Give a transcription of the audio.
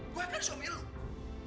gue kan suami lo